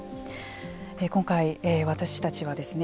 今回、私たちはですね